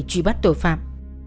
để truy bắt tội phạm